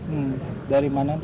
hmm dari mana tuh